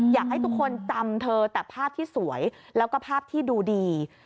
อยากให้ทุกคนจำเธอแต่ภาพที่สวยแล้วก็ภาพที่ดูดี